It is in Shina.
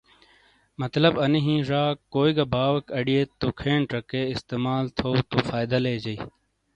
مطلب اَنی ہِین ڙ کوئی گہ باؤیک اڑئیت تو کھین چکے استعمال تھو تو فائدہ لیجِیں۔